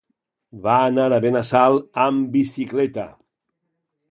Va anar a Benassal amb bicicleta.